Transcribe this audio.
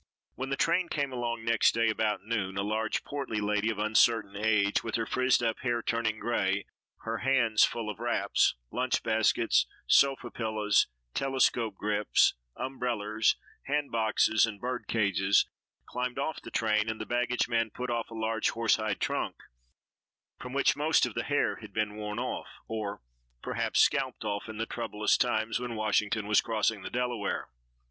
When the train came along next day about noon, a large, portly lady of uncertain age, with her frizzed up hair turning grey, her hands full of wraps, lunch baskets, sofa pillows, telescope grips, umbrellers, band boxes and bird cages, climbed off the train, and the baggageman put off a large horse hide trunk, from which most of the hair had been worn off, or perhaps scalped off in the troublous times when Washington was crossing the Delaware.